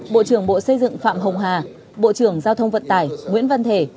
bộ trưởng bộ xây dựng phạm hồng hà bộ trưởng giao thông vận tải nguyễn văn thể